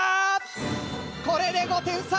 これで５点差。